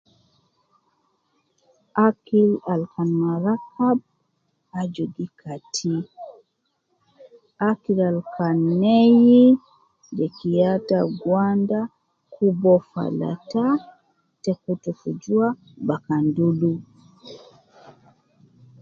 Akil al kan marakab aju gi Kati ,akil al kan neyi je kiyata gwanda ,kun uwo falata te kutu fi jua bakan dulu